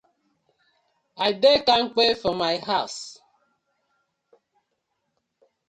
I dey kampe for my hawz.